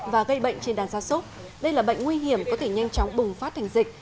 và gây bệnh trên đàn gia súc đây là bệnh nguy hiểm có thể nhanh chóng bùng phát thành dịch